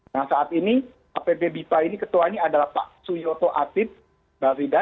nah saat ini app bipa ini ketua ini adalah pak suyoto atip barida